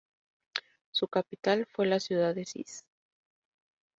Su capital fue la ciudad de Sis.